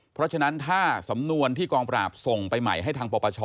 เพราะฉะนั้นถ้าสำนวนที่กองปราบส่งไปใหม่ให้ทางปปช